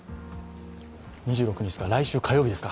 ２６日は来週の火曜日ですか。